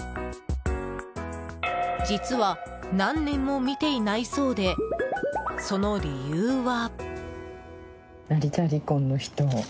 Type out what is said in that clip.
実は何年も見ていないそうでその理由は。